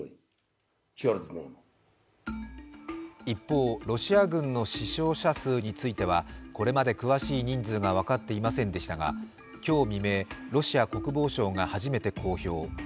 一方、ロシア軍の死傷者数についてはこれまで詳しい人数が分かっていませんでしたが今日未明、ロシア国防省が初めて公表。